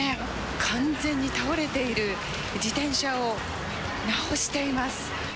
完全に倒れている自転車を直しています。